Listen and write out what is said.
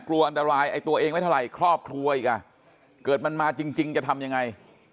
กลัวอันตรายไอ้ตัวเองไม่เท่าไหร่ครอบครัวอีกอ่ะเกิดมันมาจริงจะทำยังไง